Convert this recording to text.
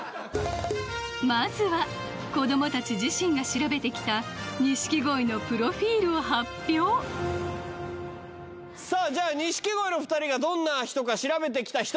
まずはこどもたち自身が調べてきた錦鯉のプロフィルを発表さぁじゃあ錦鯉の２人がどんな人か調べてきた人。